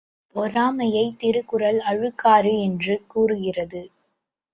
பொறாமையைத் திருக்குறள் அழுக்காறு என்று கூறுகிறது.